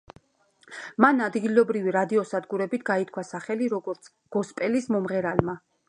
მან ადგილობრივი რადიოს საშუალებით გაითქვა სახელი როგორც გოსპელის მომღერალმა.